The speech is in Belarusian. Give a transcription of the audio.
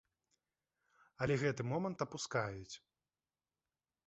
Але гэты момант апускаюць.